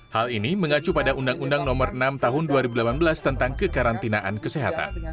hal ini mengacu pada undang undang nomor enam tahun dua ribu delapan belas tentang kekarantinaan kesehatan